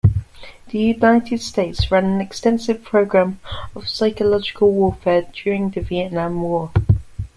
The United States ran an extensive program of psychological warfare during the Vietnam War.